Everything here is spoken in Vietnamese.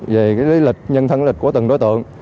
về lý lịch nhân thân lịch của từng đối tượng